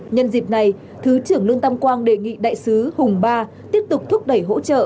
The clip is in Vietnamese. nhân dịp này thứ trưởng lương tam quang đề nghị đại sứ hùng ba tiếp tục thúc đẩy hỗ trợ